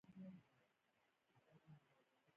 هغه شيان جذبوي چې په هغه کې يې رېښې کړې وي.